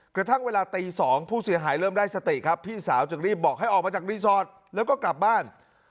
กระทั่งเวลาตี๒ผู้เสียหายเริ่มได้สติครับพี่สาวจึงรีบบอกให้ออกมาจากรีสอร์ทแล้วก็กลับบ้าน